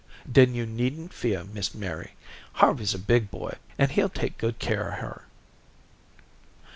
"Den yo' needn't fear, Miss Mary. Harvey's a big boy, and he'll take good care of her."